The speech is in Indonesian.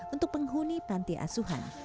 untuk penghuni panti asuhan